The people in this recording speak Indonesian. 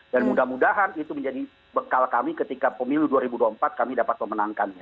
dan mudah mudahan itu menjadi bekal kami ketika pemilu dua ribu dua puluh empat kami dapat pemenang